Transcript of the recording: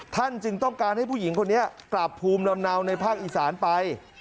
จึงต้องการให้ผู้หญิงคนนี้กลับภูมิลำเนาในภาคอีสานไป